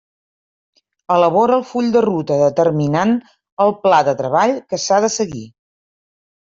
Elabora el full de ruta determinant el pla de treball que s'ha de seguir.